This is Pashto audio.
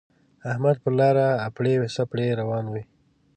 احمد پر لاره اپړې سپړې روان وِي.